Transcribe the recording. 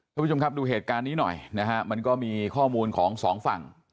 คุณผู้ชมครับดูเหตุการณ์นี้หน่อยนะฮะมันก็มีข้อมูลของสองฝั่ง